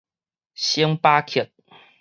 星巴克